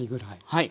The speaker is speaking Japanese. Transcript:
はい。